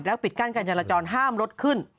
แล้วปิดกั้นการจัดละจรห้ามรถขึ้น